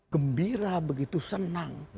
gembira begitu senang